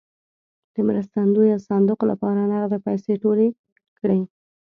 د مرستندویه صندوق لپاره نغدې پیسې ټولې کړې.